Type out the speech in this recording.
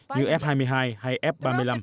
như f hai mươi hai hay f ba mươi năm